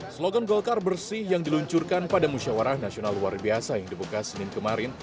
slogan golkar bersih yang diluncurkan pada musyawarah nasional luar biasa yang dibuka senin kemarin